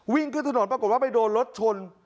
วิ่งขึ้นถนนปรากฏว่าไปโดนรถชน